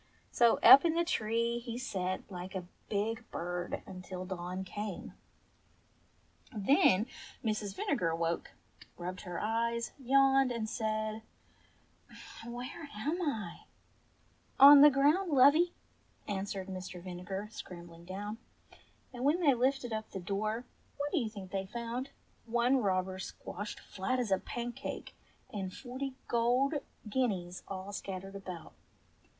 So up in the tree he sate like a big bird until dawn came. MR. AND MRS. VINEGAR 197 Then Mrs. Vinegar woke, rubbed her eyes, yawned, and said, "Where am I ?" "On the ground, lovey," answered Mr. Vinegar, scrambHng down. And when they lifted up the door what do you think they found ^ One robber squashed flat as a pancake and forty golden guineas all scattered about